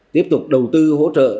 tiếp tục đầu tư hỗ trợ